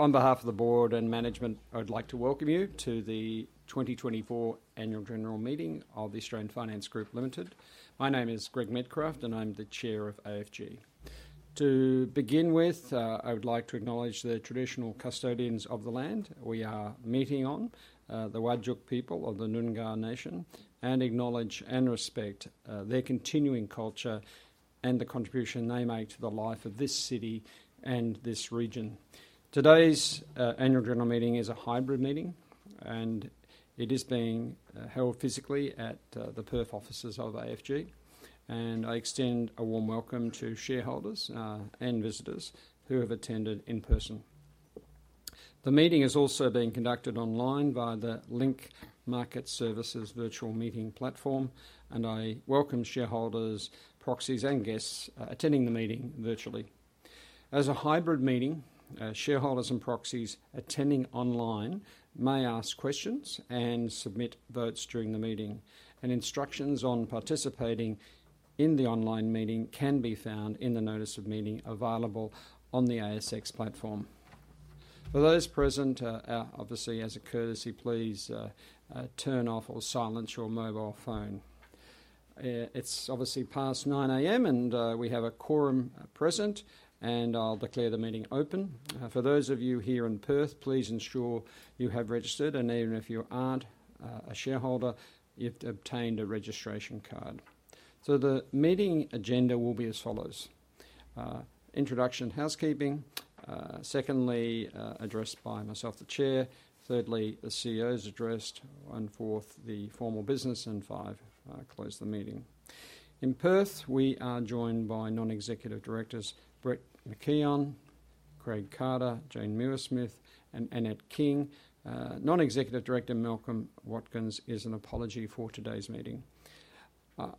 On behalf of the board and management, I would like to welcome you to the 2024 Annual General Meeting of the Australian Finance Group Limited. My name is Greg Medcraft, and I'm the Chair of AFG. To begin with, I would like to acknowledge the traditional custodians of the land we are meeting on, the Whadjuk people of the Noongar Nation, and acknowledge and respect their continuing culture and the contribution they make to the life of this city and this region. Today's Annual General Meeting is a hybrid meeting, and it is being held physically at the Perth offices of AFG, and I extend a warm welcome to shareholders and visitors who have attended in person. The meeting is also being conducted online via the Link Market Services virtual meeting platform, and I welcome shareholders, proxies, and guests, attending the meeting virtually. As a hybrid meeting, shareholders and proxies attending online may ask questions and submit votes during the meeting, and instructions on participating in the online meeting can be found in the notice of meeting available on the ASX platform. For those present, obviously as a courtesy, please turn off or silence your mobile phone. It's obviously past 9:00 A.M., and we have a quorum present, and I'll declare the meeting open. For those of you here in Perth, please ensure you have registered, and even if you aren't a shareholder, you've obtained a registration card. So the meeting agenda will be as follows: introduction, housekeeping, secondly, address by myself, the Chair, thirdly, the CEO's address, and fourth, the formal business, and five, close the meeting. In Perth, we are joined by non-executive directors Brett McKeon, Craig Carter, Jane MuirSmith, and Annette King. Non-executive director Malcolm Watkins is an apology for today's meeting.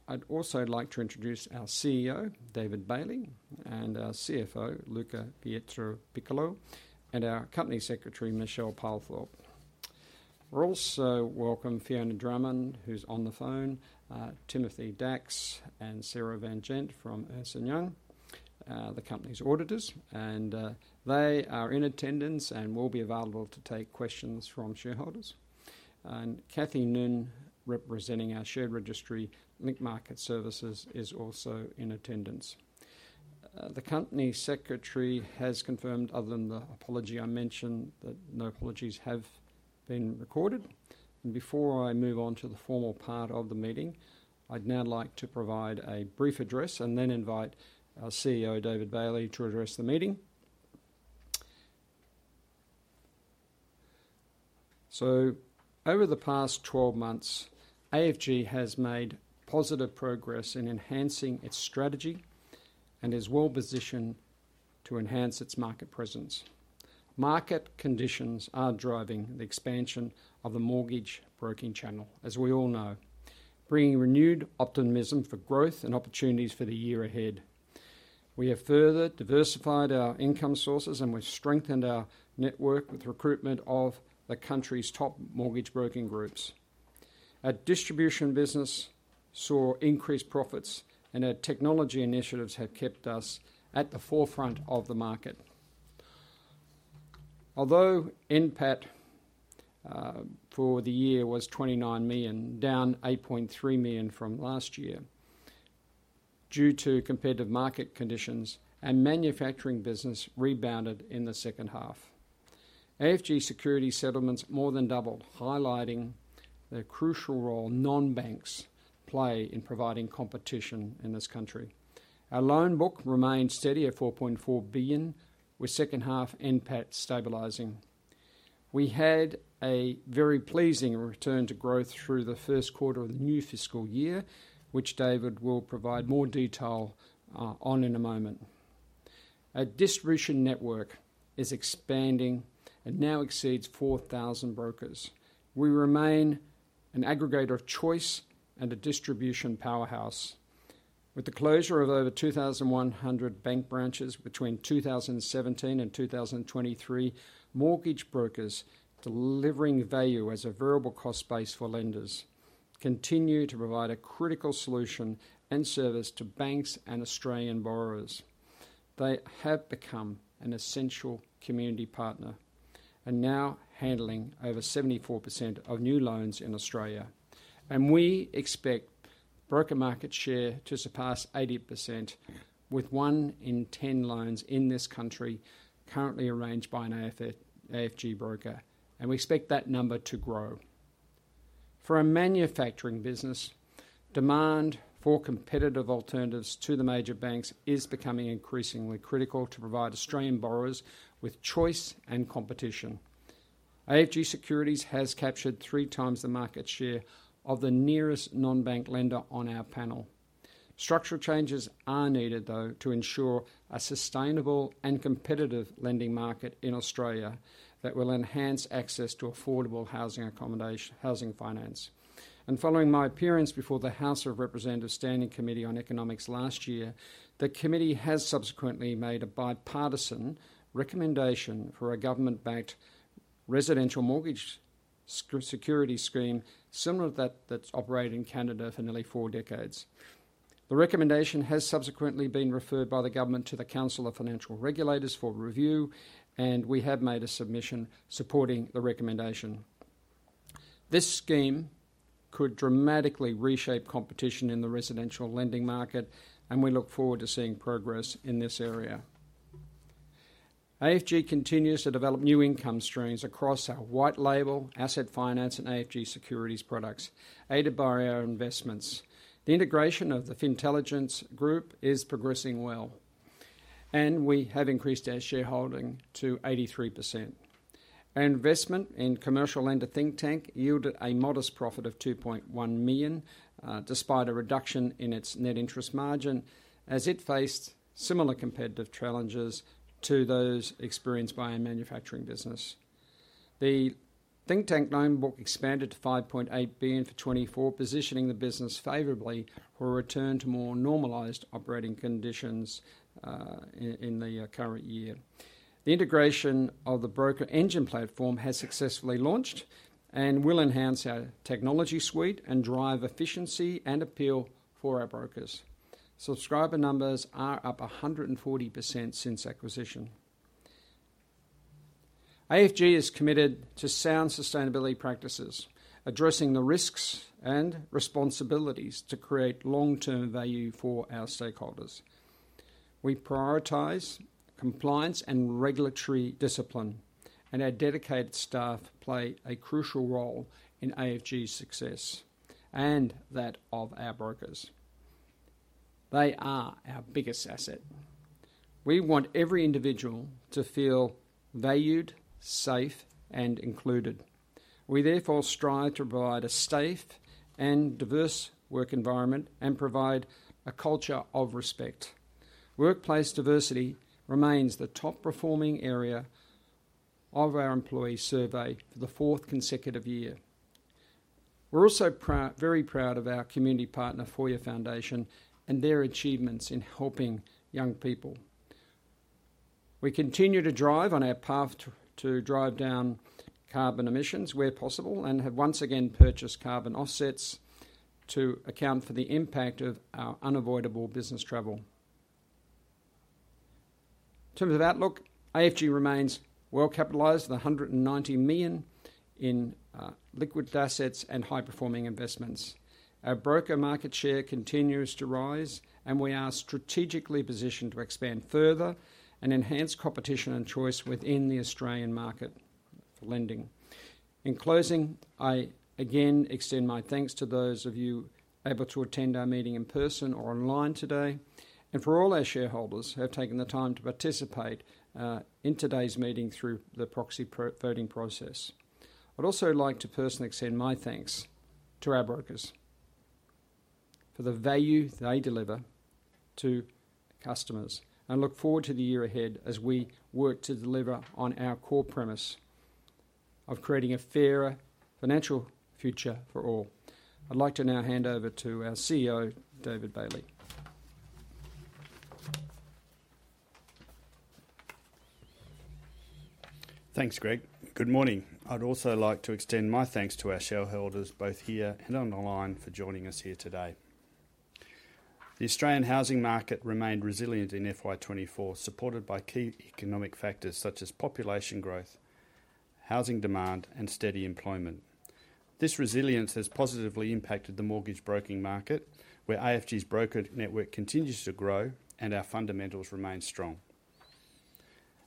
I'd also like to introduce our CEO, David Bailey, and our CFO, Luca Pietropiccolo, and our company secretary, Michelle Palethorpe. We also welcome Fiona Drummond, who's on the phone, Timothy Dachs and Sarah Van Gent from Ernst & Young, the company's auditors, and they are in attendance and will be available to take questions from shareholders. And Cathy Noon, representing our share registry, Link Market Services, is also in attendance. The company secretary has confirmed, other than the apology I mentioned, that no apologies have been recorded, and before I move on to the formal part of the meeting, I'd now like to provide a brief address and then invite our CEO, David Bailey, to address the meeting, so over the past twelve months, AFG has made positive progress in enhancing its strategy and is well-positioned to enhance its market presence. Market conditions are driving the expansion of the mortgage broking channel, as we all know, bringing renewed optimism for growth and opportunities for the year ahead. We have further diversified our income sources, and we've strengthened our network with recruitment of the country's top mortgage broking groups. Our distribution business saw increased profits, and our technology initiatives have kept us at the forefront of the market. Although NPAT for the year was 29 million, down 8.3 million from last year due to competitive market conditions, our manufacturing business rebounded in the second half. AFG Securities settlements more than doubled, highlighting the crucial role non-banks play in providing competition in this country. Our loan book remained steady at 4.4 billion, with second half NPAT stabilizing. We had a very pleasing return to growth through the first quarter of the new fiscal year, which David will provide more detail on in a moment. Our distribution network is expanding and now exceeds 4000 brokers. We remain an aggregator of choice and a distribution powerhouse. With the closure of over 2,100 bank branches between 2017 and 2023, mortgage brokers delivering value as a variable cost base for lenders continue to provide a critical solution and service to banks and Australian borrowers. They have become an essential community partner and now handling over 74% of new loans in Australia, and we expect broker market share to surpass 80%, with one in ten loans in this country currently arranged by an AFG broker, and we expect that number to grow. For our manufacturing business, demand for competitive alternatives to the major banks is becoming increasingly critical to provide Australian borrowers with choice and competition. AFG Securities has captured three times the market share of the nearest non-bank lender on our panel. Structural changes are needed, though, to ensure a sustainable and competitive lending market in Australia that will enhance access to affordable housing accommodation, housing finance, and following my appearance before the House of Representatives Standing Committee on Economics last year, the committee has subsequently made a bipartisan recommendation for a government-backed Residential Mortgage-Backed Security, similar to that that's operated in Canada for nearly four decades. The recommendation has subsequently been referred by the government to the Council of Financial Regulators for review, and we have made a submission supporting the recommendation. This scheme could dramatically reshape competition in the residential lending market, and we look forward to seeing progress in this area. AFG continues to develop new income streams across our white label, asset finance, and AFG Securities products, aided by our investments. The integration of the Fintelligence Group is progressing well, and we have increased our shareholding to 83%. Our investment in commercial lender Thinktank yielded a modest profit of 2.1 million despite a reduction in its net interest margin, as it faced similar competitive challenges to those experienced by our manufacturing business. The Thinktank loan book expanded to 5.8 billion for 2024, positioning the business favorably for a return to more normalized operating conditions in the current year. The integration of the BrokerEngine platform has successfully launched and will enhance our technology suite and drive efficiency and appeal for our brokers. Subscriber numbers are up 140% since acquisition. AFG is committed to sound sustainability practices, addressing the risks and responsibilities to create long-term value for our stakeholders. We prioritize compliance and regulatory discipline, and our dedicated staff play a crucial role in AFG's success and that of our brokers. They are our biggest asset. We want every individual to feel valued, safe, and included. We therefore strive to provide a safe and diverse work environment and provide a culture of respect. Workplace diversity remains the top-performing area of our employee survey for the fourth consecutive year. We're also proud, very proud of our community partner, Foyer Foundation, and their achievements in helping young people. We continue to drive on our path to drive down carbon emissions where possible and have once again purchased carbon offsets to account for the impact of our unavoidable business travel. In terms of outlook, AFG remains well-capitalized with 190 million in liquid assets and high-performing investments. Our broker market share continues to rise, and we are strategically positioned to expand further and enhance competition and choice within the Australian market for lending. In closing, I again extend my thanks to those of you able to attend our meeting in person or online today, and for all our shareholders who have taken the time to participate in today's meeting through the proxy voting process. I'd also like to personally extend my thanks to our brokers for the value they deliver to customers and look forward to the year ahead as we work to deliver on our core premise of creating a fairer financial future for all. I'd like to now hand over to our CEO, David Bailey. Thanks, Greg. Good morning. I'd also like to extend my thanks to our shareholders, both here and online, for joining us here today. The Australian housing market remained resilient in FY 2024, supported by key economic factors such as population growth, housing demand, and steady employment. This resilience has positively impacted the mortgage broking market, where AFG's broker network continues to grow and our fundamentals remain strong.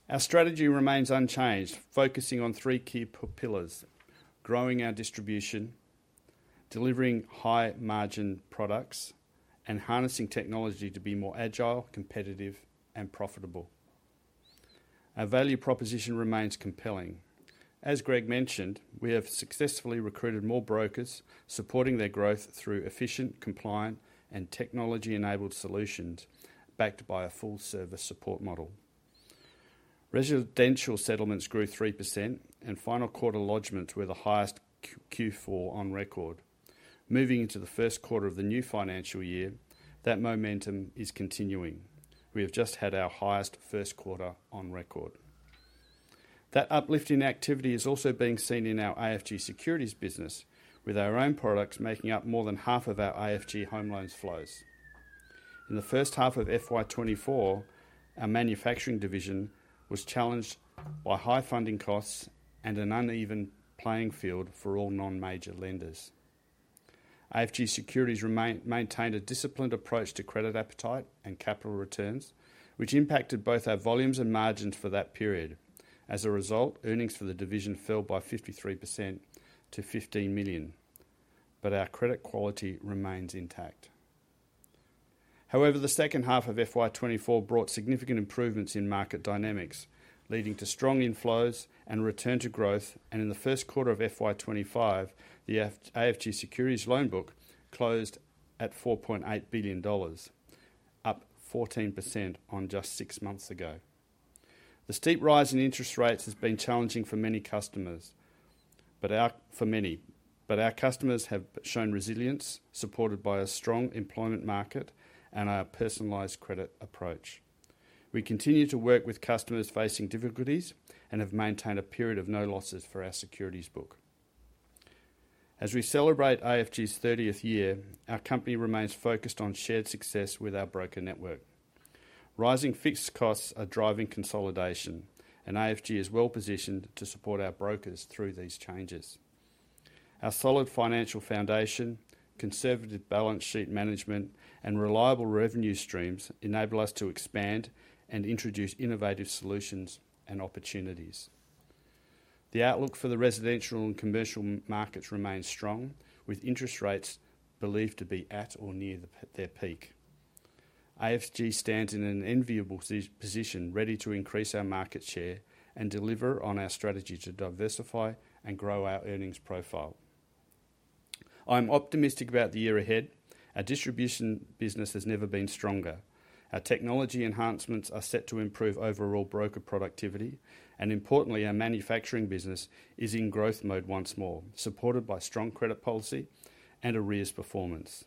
Our strategy remains unchanged, focusing on three key pillars: growing our distribution, delivering high-margin products, and harnessing technology to be more agile, competitive, and profitable. Our value proposition remains compelling. As Greg mentioned, we have successfully recruited more brokers, supporting their growth through efficient, compliant, and technology-enabled solutions, backed by a full-service support model. Residential settlements grew 3%, and final quarter lodgements were the highest Q4 on record. Moving into the first quarter of the new financial year, that momentum is continuing. We have just had our highest first quarter on record. That uplifting activity is also being seen in our AFG Securities business, with our own products making up more than half of our AFG home loans flows. In the first half of FY 2024, our manufacturing division was challenged by high funding costs and an uneven playing field for all non-major lenders. AFG Securities remained, maintained a disciplined approach to credit appetite and capital returns, which impacted both our volumes and margins for that period. As a result, earnings for the division fell by 53% to 15 million, but our credit quality remains intact. However, the second half of FY 2024 brought significant improvements in market dynamics, leading to strong inflows and return to growth, and in the first quarter of FY 2025, the AFG Securities loan book closed at 4.8 billion dollars, up 14% on just six months ago. The steep rise in interest rates has been challenging for many customers, but our customers have shown resilience, supported by a strong employment market and our personalized credit approach. We continue to work with customers facing difficulties and have maintained a period of no losses for our securities book. As we celebrate AFG's 30th year, our company remains focused on shared success with our broker network. Rising fixed costs are driving consolidation, and AFG is well-positioned to support our brokers through these changes. Our solid financial foundation, conservative balance sheet management, and reliable revenue streams enable us to expand and introduce innovative solutions and opportunities. The outlook for the residential and commercial markets remains strong, with interest rates believed to be at or near their peak. AFG stands in an enviable position, ready to increase our market share and deliver on our strategy to diversify and grow our earnings profile. I'm optimistic about the year ahead. Our distribution business has never been stronger. Our technology enhancements are set to improve overall broker productivity, and importantly, our manufacturing business is in growth mode once more, supported by strong credit policy and arrears performance.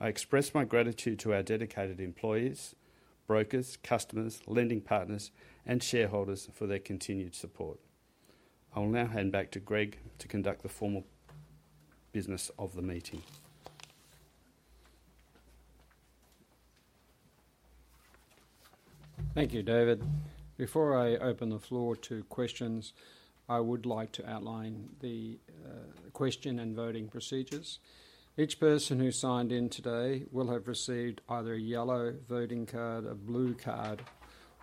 I express my gratitude to our dedicated employees, brokers, customers, lending partners, and shareholders for their continued support. I will now hand back to Greg to conduct the formal business of the meeting. Thank you, David. Before I open the floor to questions, I would like to outline the question and voting procedures. Each person who signed in today will have received either a yellow voting card, a blue card,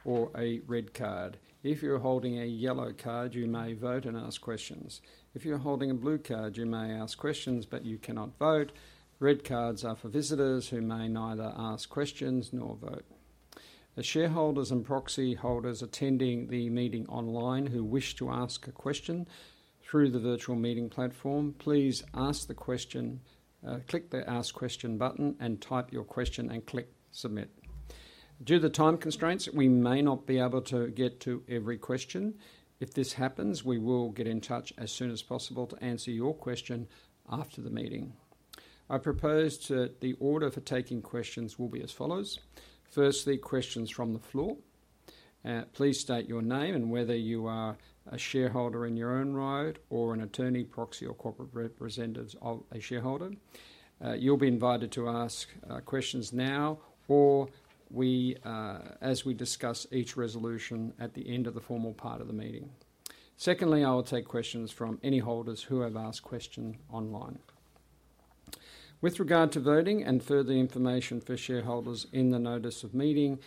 or a red card. If you're holding a yellow card, you may vote and ask questions. If you're holding a blue card, you may ask questions, but you cannot vote. Red cards are for visitors who may neither ask questions nor vote. The shareholders and proxy holders attending the meeting online who wish to ask a question through the virtual meeting platform, please ask the question, click the Ask Question button, and type your question and click Submit. Due to time constraints, we may not be able to get to every question. If this happens, we will get in touch as soon as possible to answer your question after the meeting. I propose that the order for taking questions will be as follows: firstly, questions from the floor. Please state your name and whether you are a shareholder in your own right or an attorney, proxy, or corporate representative of a shareholder. You'll be invited to ask questions now, or we, as we discuss each resolution at the end of the formal part of the meeting. Secondly, I will take questions from any holders who have asked question online. With regard to voting and further information for shareholders in the notice of meeting,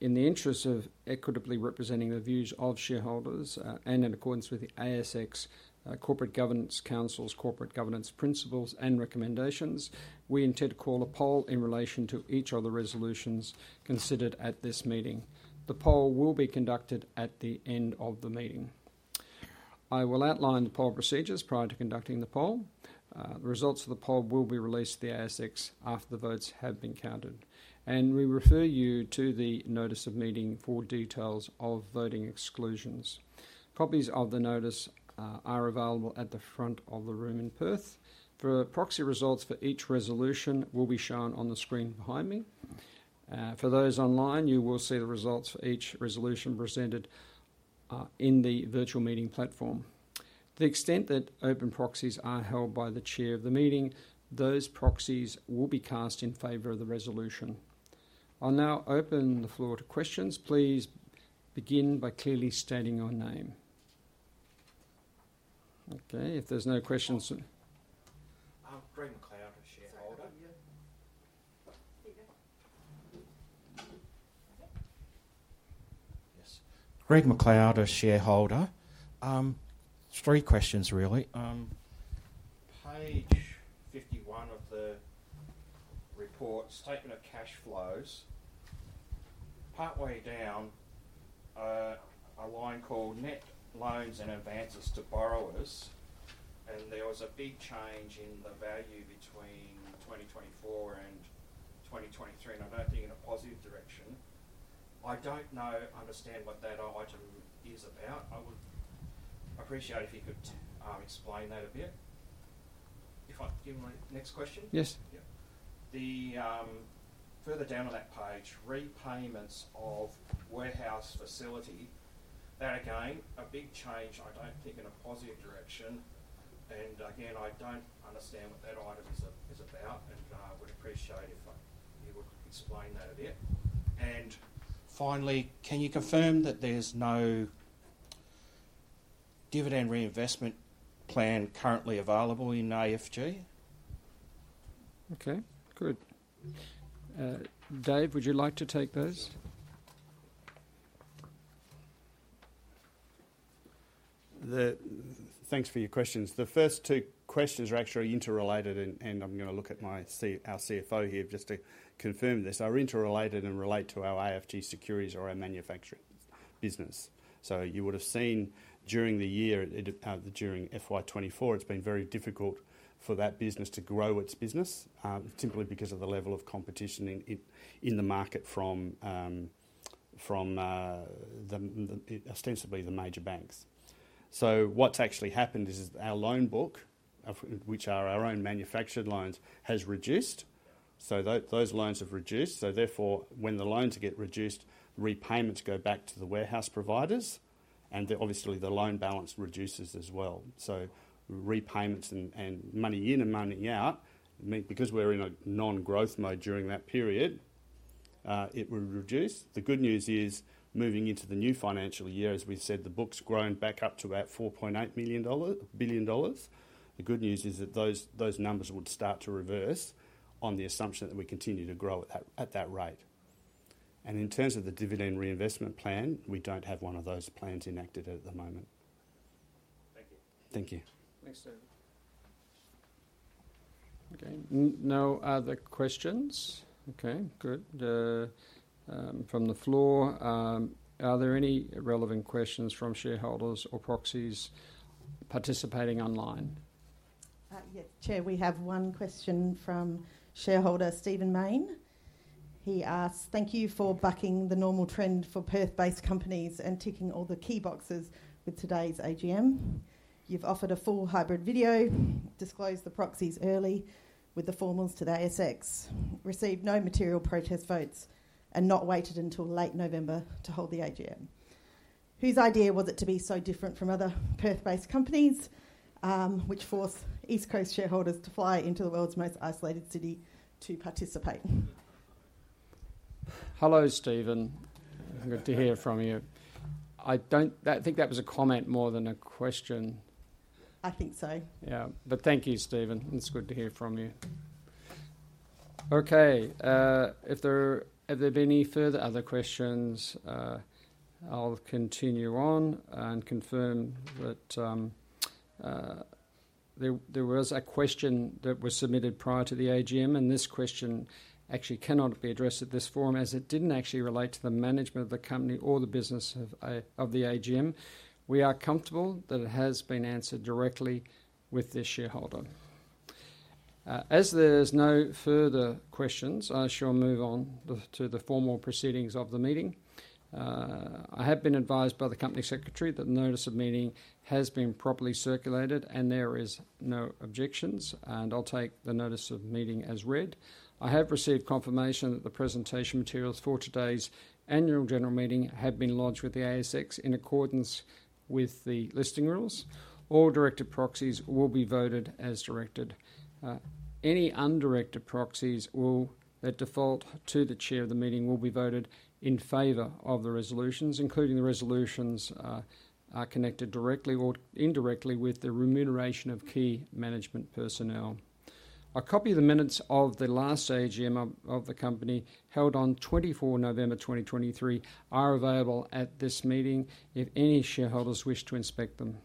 in the interest of equitably representing the views of shareholders, and in accordance with the ASX Corporate Governance Council's corporate governance principles and recommendations, we intend to call a poll in relation to each of the resolutions considered at this meeting. The poll will be conducted at the end of the meeting. I will outline the poll procedures prior to conducting the poll. The results of the poll will be released to the ASX after the votes have been counted, and we refer you to the notice of meeting for details of voting exclusions. Copies of the notice are available at the front of the room in Perth. For proxy results for each resolution will be shown on the screen behind me. For those online, you will see the results for each resolution presented in the virtual meeting platform. To the extent that open proxies are held by the chair of the meeting, those proxies will be cast in favor of the resolution. I'll now open the floor to questions. Please begin by clearly stating your name. Okay, if there's no questions, then- Greg McLeod, a shareholder. Yes. Greg McLeod, a shareholder. Three questions, really. Page fifty-one of the report, statement of cash flows, partway down, a line called "Net loans and advances to borrowers," and there was a big change in the value between 2024 and 2023, and I don't think in a positive direction. I don't know or understand what that item is about. I would appreciate if you could explain that a bit. If I give my next question? Yes. Yeah. The further down on that page, repayments of warehouse facility, that, again, a big change, I don't think in a positive direction, and again, I don't understand what that item is about, and would appreciate if you would explain that a bit. And finally, can you confirm that there's no dividend reinvestment plan currently available in AFG? Okay, good. Dave, would you like to take those? Thanks for your questions. The first two questions are actually interrelated, and I'm going to look at our CFO here, just to confirm this, are interrelated and relate to our AFG Securities or our manufacturing business. So you would have seen during the year, during FY 2024, it's been very difficult for that business to grow its business, simply because of the level of competition in the market from ostensibly the major banks. So what's actually happened is our loan book, of which are our own manufactured loans, has reduced. So those loans have reduced, so therefore, when the loans get reduced, repayments go back to the warehouse providers, and obviously, the loan balance reduces as well. So repayments and money in and money out mean because we're in a non-growth mode during that period, it will reduce. The good news is, moving into the new financial year, as we've said, the book's grown back up to about 4.8 billion dollars. The good news is that those numbers would start to reverse on the assumption that we continue to grow at that rate. And in terms of the dividend reinvestment plan, we don't have one of those plans enacted at the moment. Thank you. Thank you. Thanks, David. Okay, no other questions? Okay, good. From the floor, are there any relevant questions from shareholders or proxies participating online? Yes, Chair, we have one question from shareholder Stephen Mayne. He asks: "Thank you for bucking the normal trend for Perth-based companies and ticking all the key boxes with today's AGM. You've offered a full hybrid video, disclosed the proxies early with the formals to the ASX, received no material protest votes, and not waited until late November to hold the AGM. Whose idea was it to be so different from other Perth-based companies, which force East Coast shareholders to fly into the world's most isolated city to participate? Hello, Stephen. Good to hear from you. I don't. I think that was a comment more than a question. I think so. Yeah, but thank you, Stephen. It's good to hear from you. Okay, if there'd be any further other questions, I'll continue on and confirm that there was a question that was submitted prior to the AGM, and this question actually cannot be addressed at this forum as it didn't actually relate to the management of the company or the business of the AGM. We are comfortable that it has been answered directly with the shareholder. As there's no further questions, I shall move on to the formal proceedings of the meeting. I have been advised by the Company Secretary that the notice of meeting has been properly circulated, and there is no objections, and I'll take the notice of meeting as read. I have received confirmation that the presentation materials for today's annual general meeting have been lodged with the ASX in accordance with the listing rules. All directed proxies will be voted as directed. Any undirected proxies that default to the Chair of the meeting will be voted in favor of the resolutions, including the resolutions connected directly or indirectly with the remuneration of key management personnel. A copy of the minutes of the last AGM of the company, held on 24 November 2023, are available at this meeting if any shareholders wish to inspect them.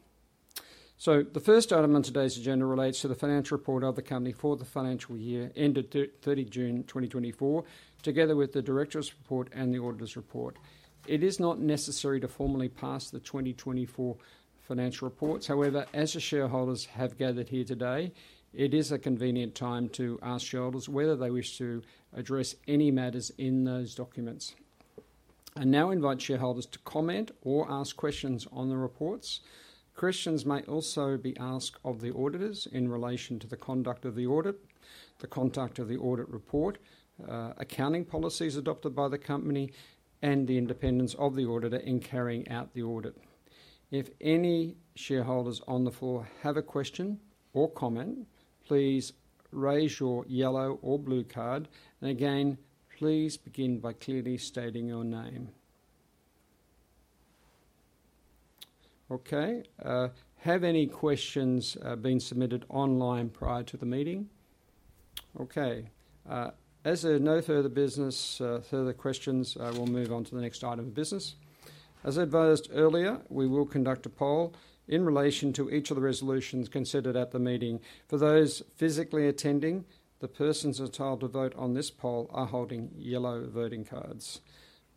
The first item on today's agenda relates to the financial report of the company for the financial year ended 30 June 2024, together with the directors' report and the auditors' report. It is not necessary to formally pass the 2024 financial reports. However, as the shareholders have gathered here today, it is a convenient time to ask shareholders whether they wish to address any matters in those documents. I now invite shareholders to comment or ask questions on the reports. Questions may also be asked of the auditors in relation to the conduct of the audit, the conduct of the audit report, accounting policies adopted by the company, and the independence of the auditor in carrying out the audit. If any shareholders on the floor have a question or comment, please raise your yellow or blue card, and again, please begin by clearly stating your name. Okay, have any questions been submitted online prior to the meeting? Okay, as there are no further business, further questions, I will move on to the next item of business. As advised earlier, we will conduct a poll in relation to each of the resolutions considered at the meeting. For those physically attending, the persons entitled to vote on this poll are holding yellow voting cards.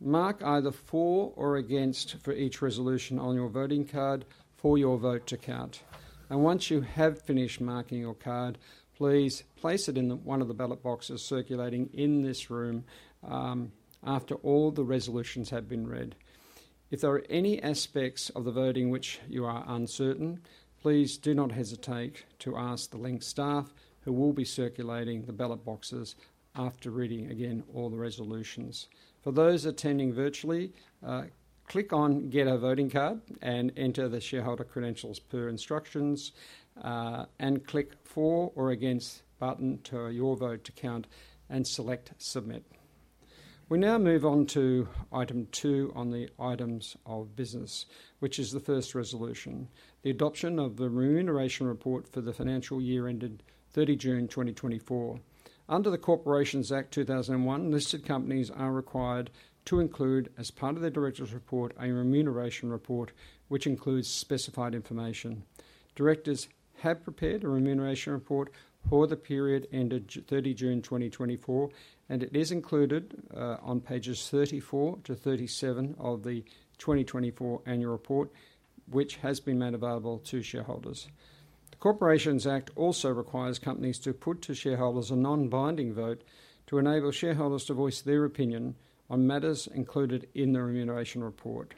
Mark either for or against for each resolution on your voting card for your vote to count. And once you have finished marking your card, please place it in one of the ballot boxes circulating in this room after all the resolutions have been read. If there are any aspects of the voting which you are uncertain, please do not hesitate to ask the Link staff, who will be circulating the ballot boxes after reading again all the resolutions. For those attending virtually, click on Get a Voting Card and enter the shareholder credentials per instructions, and click For or Against button to your vote to count and select Submit. We now move on to item two on the items of business, which is the first resolution, the adoption of the Remuneration Report for the financial year ended thirty June 2024. Under the Corporations Act 2001, listed companies are required to include, as part of their directors' report, a remuneration report, which includes specified information. Directors have prepared a remuneration report for the period ended thirty June 2024, and it is included on pages thirty-four to thirty-seven of the 2024 annual report, which has been made available to shareholders. The Corporations Act also requires companies to put to shareholders a non-binding vote to enable shareholders to voice their opinion on matters included in the remuneration report.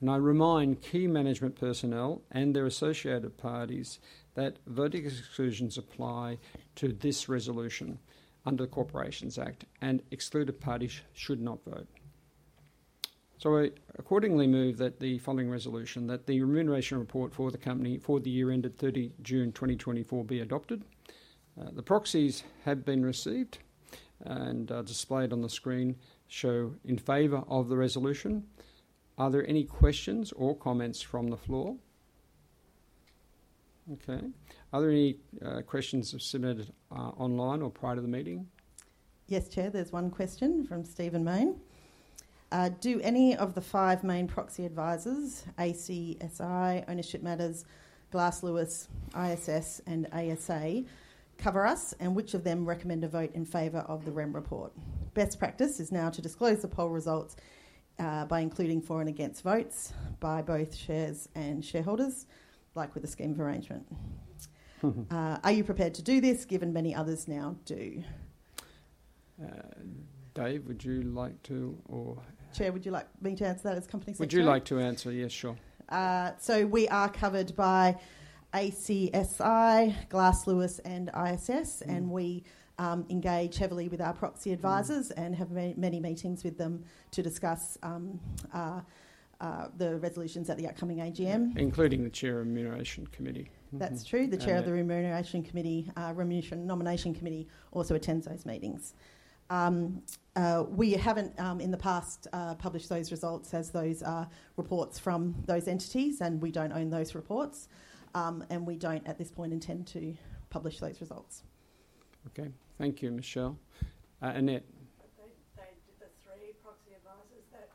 And I remind key management personnel and their associated parties that voting exclusions apply to this resolution under the Corporations Act, and excluded parties should not vote. So I accordingly move that the following resolution, that the remuneration report for the company for the year ended thirty June 2024, be adopted. The proxies have been received and displayed on the screen, show in favor of the resolution. Are there any questions or comments from the floor? Okay. Are there any questions submitted online or prior to the meeting? Yes, Chair. There's one question from Stephen Mayne. "Do any of the five main proxy advisors, ACSI, Ownership Matters, Glass Lewis, ISS, and ASA, cover us, and which of them recommend a vote in favor of the rem report? Best practice is now to disclose the poll results, by including for and against votes by both chairs and shareholders, like with the scheme arrangement. Mm-hmm. Are you prepared to do this, given many others now do? Dave, would you like to, or- Chair, would you like me to answer that as company secretary? Would you like to answer? Yes, sure. So we are covered by ACSI, Glass Lewis, and ISS. and we engage heavily with our proxy advisors... and have many meetings with them to discuss the resolutions at the upcoming AGM. Including the Chair of Remuneration Committee. Mm-hmm. That's true. Yeah. The chair of the Remuneration Committee, Remuneration and Nomination Committee, also attends those meetings. We haven't, in the past, published those results, as those are reports from those entities, and we don't own those reports. And we don't, at this point, intend to publish those results. Okay. Thank you, Michelle. Annette? I think they did the three proxy advisors that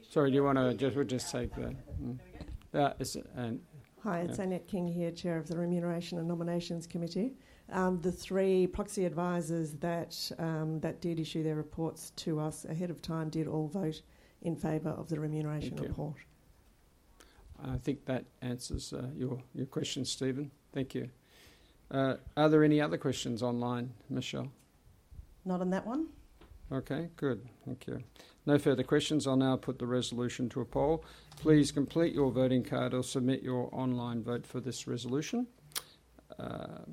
issued- Sorry, do you wanna just say that? Go again. Hi, it's Annette King here, Chair of the Remuneration and Nominations Committee. The three proxy advisors that did issue their reports to us ahead of time did all vote in favor of the remuneration report. Thank you. I think that answers your question, Stephen. Thank you. Are there any other questions online, Michelle? Not on that one. Okay, good. Thank you. No further questions. I'll now put the resolution to a poll. Please complete your voting card or submit your online vote for this resolution. I'll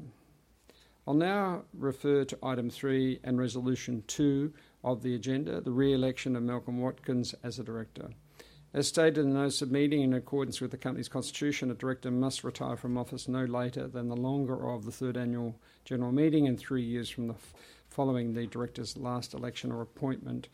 now refer to item three and resolution two of the agenda, the re-election of Malcolm Watkins as a director. As stated in the notice of meeting, in accordance with the company's constitution, a director must retire from office no later than the longer of the third annual general meeting and three years from the following the director's last election or appointment.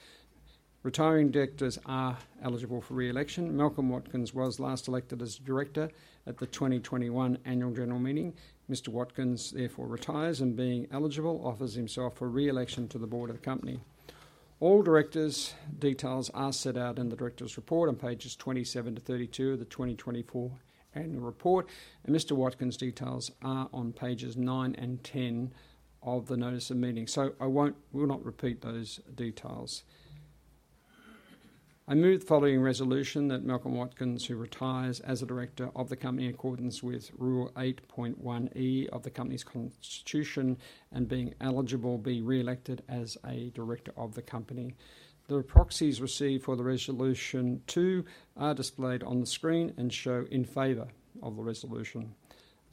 Retiring directors are eligible for re-election. Malcolm Watkins was last elected as a director at the 2021 annual general meeting. Mr. Watkins therefore retires, and being eligible, offers himself for re-election to the board of the company. All directors' details are set out in the directors' report on pages 27 to 32 of the 2024 annual report, and Mr. Watkins' details are on pages 9 and 10 of the notice of meeting. So I won't, will not repeat those details. I move the following resolution: that Malcolm Watkins, who retires as a director of the company in accordance with Rule 8.1E of the company's constitution, and being eligible, be re-elected as a director of the company. The proxies received for the resolution 2 are displayed on the screen and show in favor of the resolution.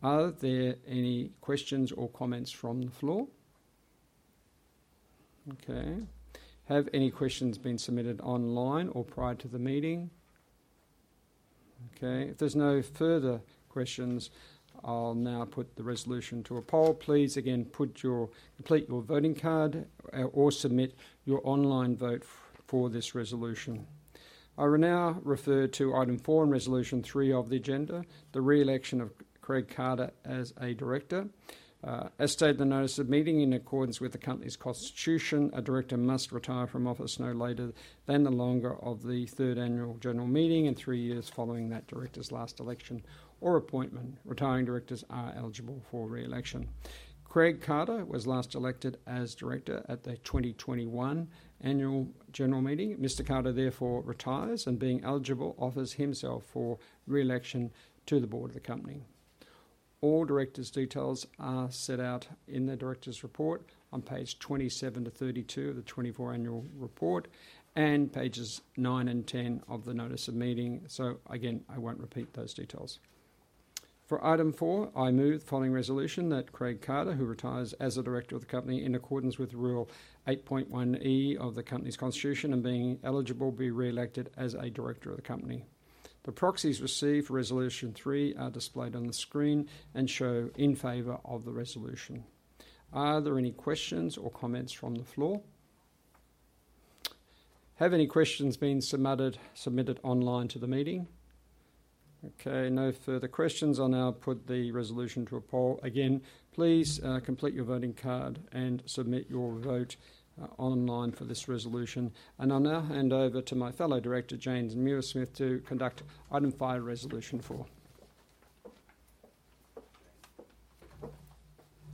Are there any questions or comments from the floor? Okay. Have any questions been submitted online or prior to the meeting? Okay, if there's no further questions, I'll now put the resolution to a poll. Please again, complete your voting card, or submit your online vote for this resolution. I will now refer to item four and resolution three of the agenda, the re-election of Craig Carter as a director. As stated in the notice of meeting, in accordance with the company's constitution, a director must retire from office no later than the longer of the third annual general meeting and three years following that director's last election or appointment. Retiring directors are eligible for re-election. Craig Carter was last elected as director at the 2021 annual general meeting. Mr. Carter therefore retires, and being eligible, offers himself for re-election to the board of the company. All directors' details are set out in the directors' report on pages 27 to 32 of the 2024 annual report, and pages 9 and 10 of the notice of meeting. So again, I won't repeat those details. For item four, I move the following resolution: that Craig Carter, who retires as a director of the company in accordance with Rule eight point one E of the company's constitution, and being eligible, be re-elected as a director of the company. The proxies received for resolution three are displayed on the screen and show in favor of the resolution. Are there any questions or comments from the floor? Have any questions been submitted online to the meeting? Okay, no further questions. I'll now put the resolution to a poll. Again, please, complete your voting card and submit your vote online for this resolution. And I'll now hand over to my fellow director, Jane Muir-Smith, to conduct item five, resolution four.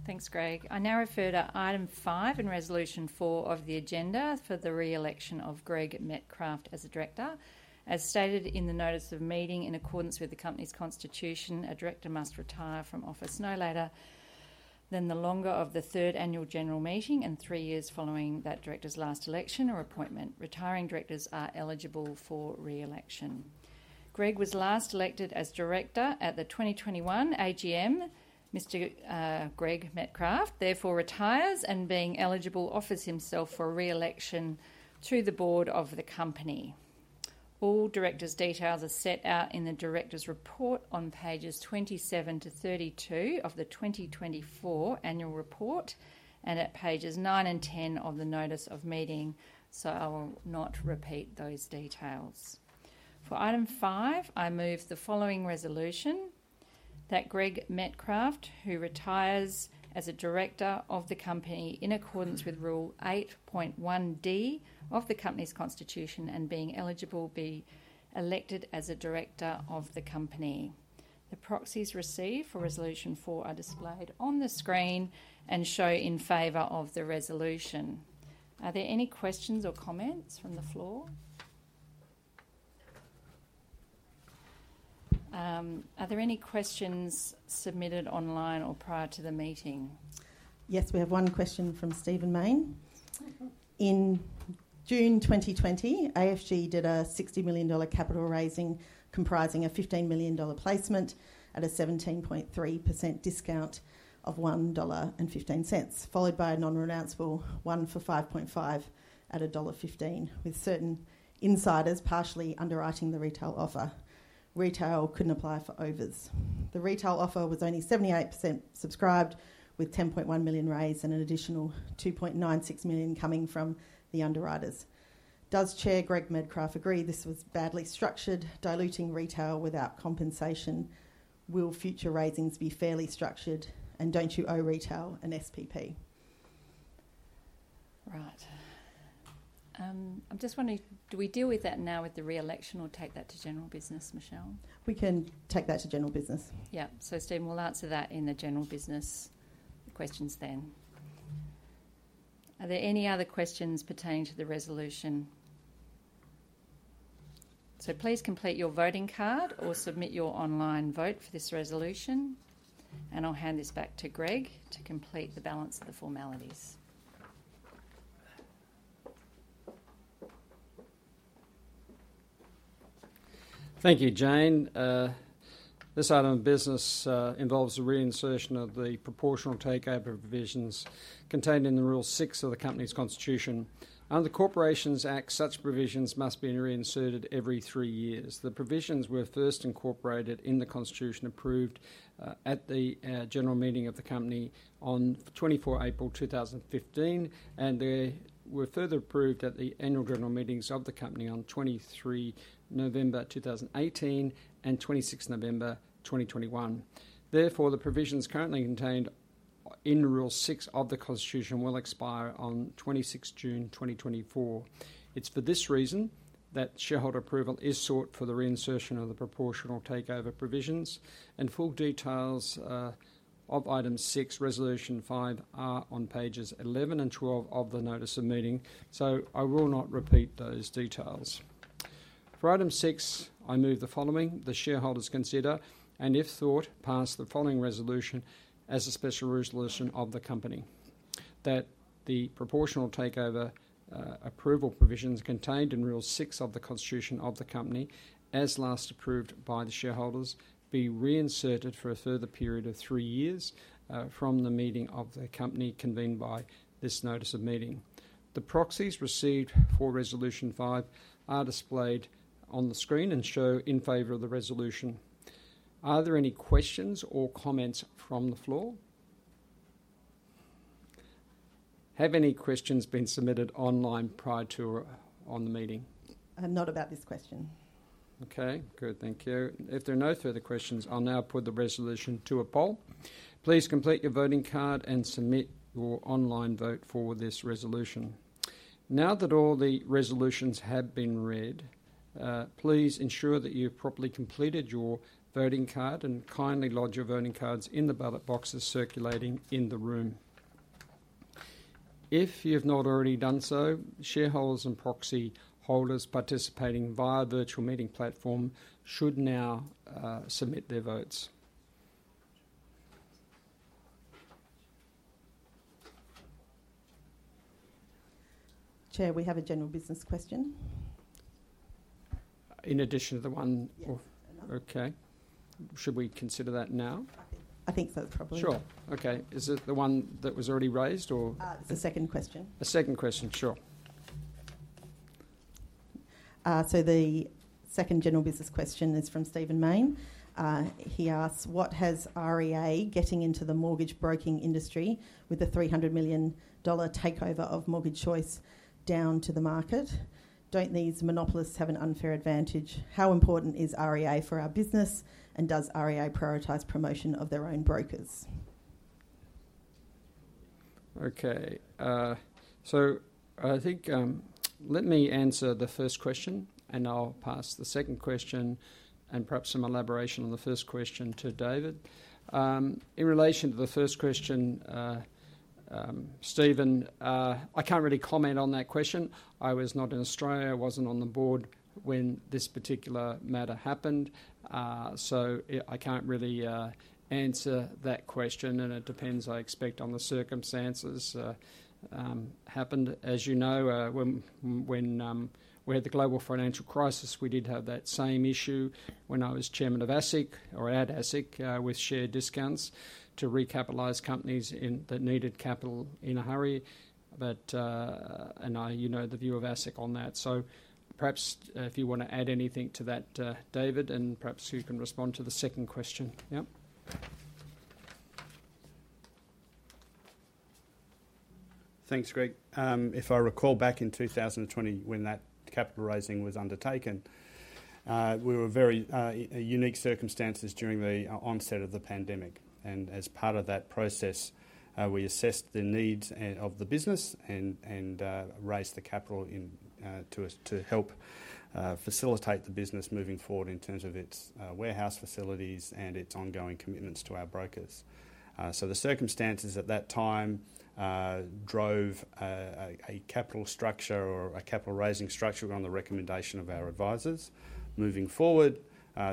Thanks, Greg. I now refer to item five and resolution four of the agenda for the re-election of Greg Medcraft as a director. As stated in the notice of meeting, in accordance with the company's constitution, a director must retire from office no later than the longer of the third annual general meeting and three years following that director's last election or appointment. Retiring directors are eligible for re-election. Greg was last elected as director at the 2021 AGM. Mr. Greg Medcraft therefore retires, and being eligible, offers himself for re-election to the board of the company. All directors' details are set out in the directors' report on pages 27 to 32 of the 2024 annual report and at pages nine and ten of the notice of meeting, so I will not repeat those details. For item five, I move the following resolution: That Greg Medcraft, who retires as a director of the company in accordance with Rule eight point one D of the company's constitution, and being eligible, be elected as a director of the company. The proxies received for Resolution Four are displayed on the screen and show in favor of the resolution. Are there any questions or comments from the floor? Are there any questions submitted online or prior to the meeting? Yes, we have one question from Stephen Mayne. Okay. In June 2020, AFG did a 60 million dollar capital raising, comprising a 15 million dollar placement at a 17.3% discount of 1.15 dollar, followed by a non-renounceable one for 5.5 at a dollar 1.15, with certain insiders partially underwriting the retail offer. Retail couldn't apply for overs. The retail offer was only 78% subscribed, with 10.1 million raised and an additional 2.96 million coming from the underwriters. Does Chair Greg Medcraft agree this was badly structured, diluting retail without compensation? Will future raisings be fairly structured, and don't you owe retail an SPP? Right. I'm just wondering, do we deal with that now with the re-election, or take that to general business, Michelle? We can take that to general business. Yeah. So Stephen, we'll answer that in the general business questions then. Are there any other questions pertaining to the resolution? So please complete your voting card or submit your online vote for this resolution, and I'll hand this back to Greg to complete the balance of the formalities. Thank you, Jane. This item of business involves the reinsertion of the proportional takeover provisions contained in the Rule Six of the company's constitution. Under the Corporations Act, such provisions must be reinserted every three years. The provisions were first incorporated in the constitution approved at the general meeting of the company on 24 April 2015, and they were further approved at the annual general meetings of the company on 23 November 2018 and 26th November 2021. Therefore, the provisions currently contained in Rule Six of the constitution will expire on 26th June 2024. It's for this reason that shareholder approval is sought for the reinsertion of the proportional takeover provisions, and full details of Item Six, Resolution Five, are on pages eleven and twelve of the notice of meeting, so I will not repeat those details. For Item Six, I move the following: The shareholders consider, and if thought, pass the following resolution as a special resolution of the company, that the proportional takeover approval provisions contained in Rule Six of the constitution of the company, as last approved by the shareholders, be reinserted for a further period of three years from the meeting of the company convened by this notice of meeting. The proxies received for Resolution Five are displayed on the screen and show in favor of the resolution. Are there any questions or comments from the floor? Have any questions been submitted online prior to or on the meeting? Not about this question. Okay, good. Thank you. If there are no further questions, I'll now put the resolution to a poll. Please complete your voting card and submit your online vote for this resolution. Now that all the resolutions have been read, please ensure that you've properly completed your voting card and kindly lodge your voting cards in the ballot boxes circulating in the room. If you have not already done so, shareholders and proxy holders participating via virtual meeting platform should now submit their votes. Chair, we have a general business question. In addition to the one or- Okay. Should we consider that now? I think so, probably. Sure. Okay. Is it the one that was already raised or...? It's a second question. A second question, sure. So the second general business question is from Stephen Mayne. He asks: "What has REA getting into the mortgage broking industry with a 300 million dollar takeover of Mortgage Choice down to the market? Don't these monopolists have an unfair advantage? How important is REA for our business, and does REA prioritize promotion of their own brokers? Okay, so I think, let me answer the first question, and I'll pass the second question and perhaps some elaboration on the first question to David. In relation to the first question, Stephen, I can't really comment on that question. I was not in Australia, I wasn't on the board when this particular matter happened. So I can't really answer that question, and it depends, I expect, on the circumstances. As you know, when we had the global financial crisis, we did have that same issue when I was chairman of ASIC or at ASIC, with share discounts to recapitalize companies in that needed capital in a hurry. But, and I, you know, the view of ASIC on that. So perhaps, if you wanna add anything to that, David, and perhaps you can respond to the second question. Yeah. Thanks, Greg. If I recall back in 2020, when that capital raising was undertaken, we were very in unique circumstances during the onset of the pandemic, and as part of that process, we assessed the needs of the business and raised the capital to help facilitate the business moving forward in terms of its warehouse facilities and its ongoing commitments to our brokers. So the circumstances at that time drove a capital structure or a capital raising structure on the recommendation of our advisors. Moving forward,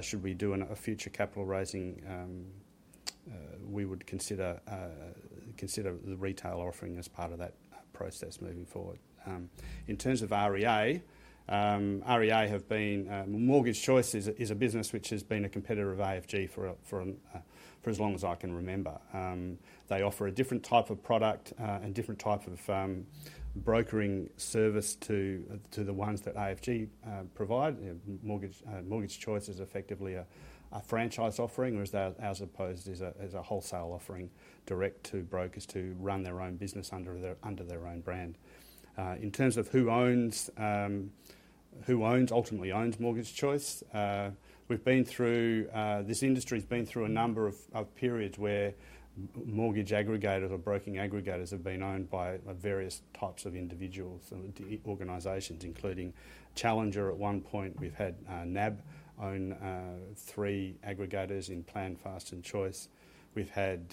should we do a future capital raising, we would consider the retail offering as part of that process moving forward. In terms of REA, REA have been... Mortgage Choice is a business which has been a competitor of AFG for as long as I can remember. They offer a different type of product and different type of brokering service to the ones that AFG provide. Mortgage Choice is effectively a franchise offering, whereas ours as opposed is a wholesale offering direct to brokers to run their own business under their own brand. In terms of who ultimately owns Mortgage Choice, we've been through this industry has been through a number of periods where mortgage aggregators or broking aggregators have been owned by various types of individuals and organizations, including Challenger at one point. We've had NAB own three aggregators in PLAN, FAST and Choice. We've had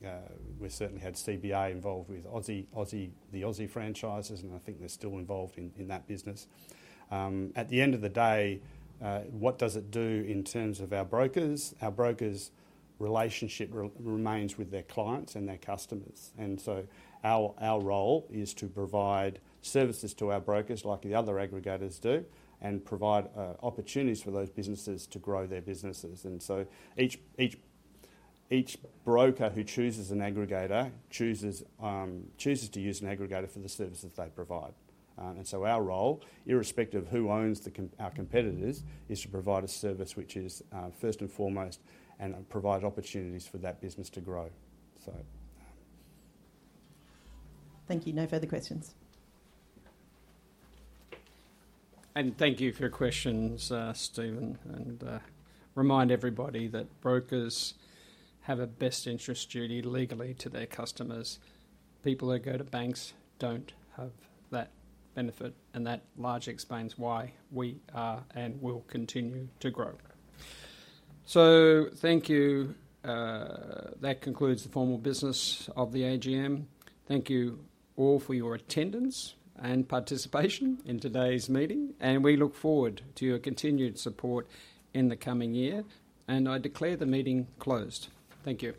CBA involved with Aussie, the Aussie franchises, and I think they're still involved in that business. At the end of the day, what does it do in terms of our brokers? Our brokers' relationship remains with their clients and their customers, and so our role is to provide services to our brokers like the other aggregators do and provide opportunities for those businesses to grow their businesses, and so each broker who chooses an aggregator chooses to use an aggregator for the services they provide, and so our role, irrespective of who owns our competitors, is to provide a service which is first and foremost, and provide opportunities for that business to grow. So... Thank you. No further questions. And thank you for your questions, Stephen. And, remind everybody that brokers have a Best interests duty legally to their customers. People that go to banks don't have that benefit, and that largely explains why we are and will continue to grow. So thank you. That concludes the formal business of the AGM. Thank you all for your attendance and participation in today's meeting, and we look forward to your continued support in the coming year, and I declare the meeting closed. Thank you.